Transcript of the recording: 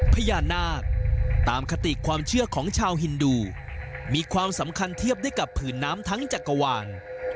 พญานาคตามคติความเชื่อของชาวฮินดูมีความสำคัญเทียบได้กับผืนน้ำทั้งจักรวาล